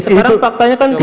sekarang faktanya kan di situ